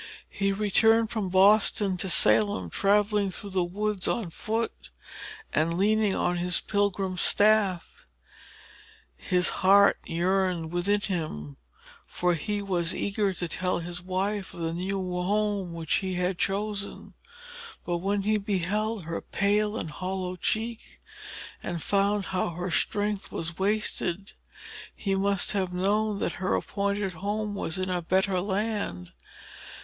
He returned from Boston to Salem, travelling through the woods on foot, and leaning on his pilgrim's staff. His heart yearned within him; for he was eager to tell his wife of the new home which he had chosen. But when he beheld her pale and hollow cheek, and found how her strength was wasted, he must have known that her appointed home was in a better land.